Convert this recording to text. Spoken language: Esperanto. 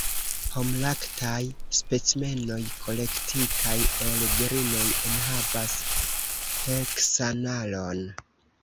Homlaktaj specimenoj kolektitaj el virinoj enhavas heksanalon.